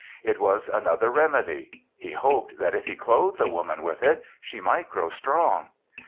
It was another remedy; he hoped that if he clothed the Woman with it, she might grow strong.